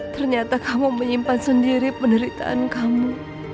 ternyata kamu menyimpan sendiri penderitaan kamu